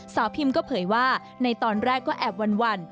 พิมก็เผยว่าในตอนแรกก็แอบวัน